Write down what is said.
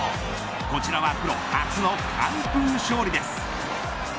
こちらはプロ初の完封勝利です。